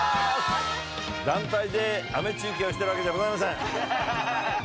団体で雨中継をしているわけではございません。